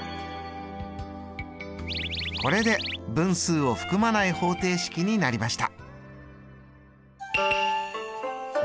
これで分数を含まない方程式になりました。